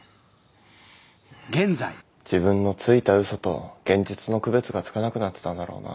自分のついた嘘と現実の区別がつかなくなってたんだろうな。